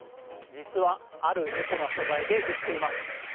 実は、あるエコな素材でできています。